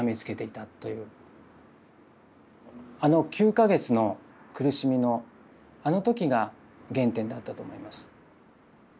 あの９か月の苦しみのあの時が原点だったと思います。